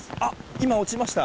今、落ちました！